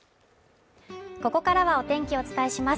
ここからはお天気をお伝えします